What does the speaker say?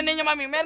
neneknya mami mer